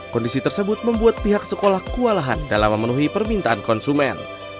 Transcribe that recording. kondisi tersebut membuat pihak sekolah kewalahan dalam memenuhi permintaan konsumen